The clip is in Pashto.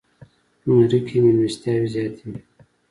زمری کې میلمستیاوې زیاتې وي.